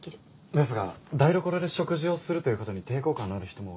ですが台所で食事をするという事に抵抗感のある人も多いのでは？